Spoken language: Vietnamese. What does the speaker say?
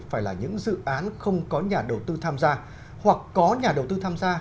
phải là những dự án không có nhà đầu tư tham gia hoặc có nhà đầu tư tham gia